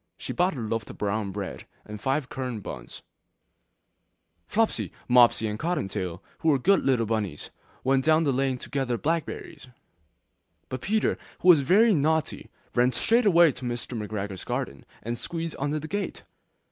She bought a loaf of brown bread and five currant buns. Flopsy, Mopsy, and Cottontail, who were good little bunnies, went down the lane to gather blackberries: But Peter, who was very naughty, ran straight away to Mr. McGregor's garden, and squeezed under the gate!